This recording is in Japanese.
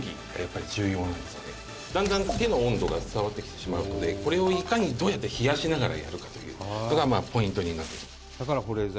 「だんだん手の温度が伝わってきてしまうのでこれをいかにどうやって冷やしながらやるかというこれがポイントになってきます」